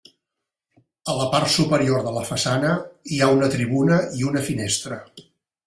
A la part superior de la façana hi ha una tribuna i una finestra.